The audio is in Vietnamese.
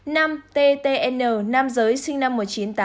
năm ttn nam giới sinh năm một nghìn chín trăm tám mươi